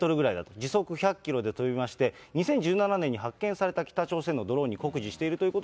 時速１００キロで飛びまして、２０１７年に発見された北朝鮮のドローンに酷似しているというこ